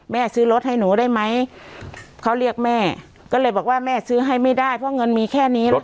ซื้อรถให้หนูได้ไหมเขาเรียกแม่ก็เลยบอกว่าแม่ซื้อให้ไม่ได้เพราะเงินมีแค่นี้แล้ว